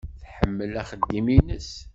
Tḥemmel axeddim-nnes.